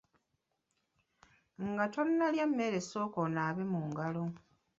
Nga tonnalya mmere sooka onaabe mu ngalo.